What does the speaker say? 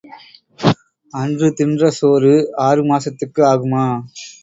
அன்று தின்ற சோறு ஆறு மாசத்துக்கு ஆகுமா?